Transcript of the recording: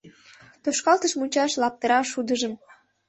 Тошкалтыш мучаш лаптыра шудыжым